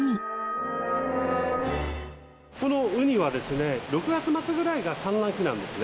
このウニはですね６月末ぐらいが産卵期なんですね。